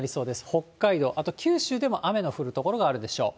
北海道、あと九州でも雨の降る所があるでしょう。